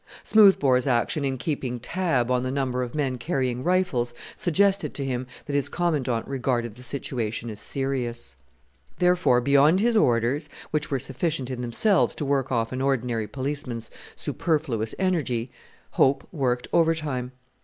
Smoothbore's action in keeping "tab" on the number of men carrying rifles suggested to him that his Commandant regarded the situation as serious. Watch. Therefore, beyond his orders which were sufficient in themselves to work off an ordinary policeman's superfluous energy Hope worked overtime.